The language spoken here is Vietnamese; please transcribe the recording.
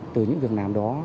từ những việc làm đó